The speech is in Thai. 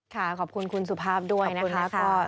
ค่ะขอบคุณคุณสุภาพด้วยนะคะ